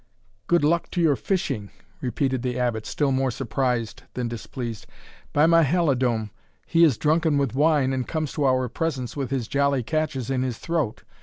"Good luck to your fishing!" repeated the Abbot, still more surprised than displeased; "by my halidome he is drunken with wine, and comes to our presence with his jolly catches in his throat!